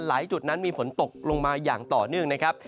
จุดนั้นมีฝนตกลงมาอย่างต่อเนื่องนะครับ